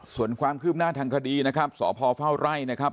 ส่วนความคืบหน้าทางคดีนะครับสพเฝ้าไร่นะครับ